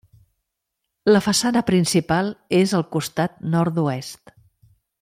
La façana principal és al costat nord-oest.